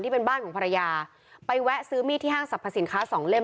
เป็นบ้านของภรรยาไปแวะซื้อมีดที่ห้างสรรพสินค้าสองเล่ม